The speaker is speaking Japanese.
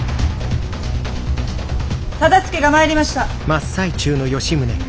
忠相が参りました。